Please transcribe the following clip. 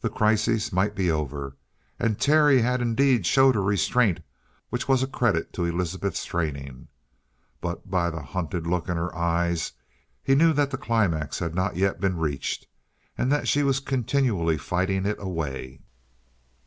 The crisis might be over, and Terry had indeed showed a restraint which was a credit to Elizabeth's training. But by the hunted look in her eyes, he knew that the climax had not yet been reached, and that she was continually fighting it away.